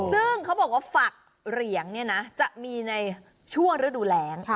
ซึ่งเขาบอกว่าฝักเหรียงเนี่ยนะจะมีในช่วงฤดูแรง